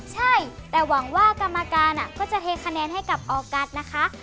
ใช่แต่หวังว่ากรรมการก็จะเทคะแนนให้กับออกัสนะคะ